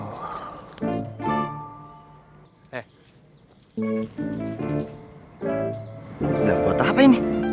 udah bodo apa ini